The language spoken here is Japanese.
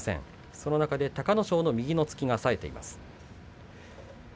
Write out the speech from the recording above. この中で隆の勝の右の突きがさえています。